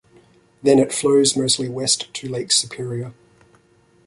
Then it flows mostly west to Lake Superior.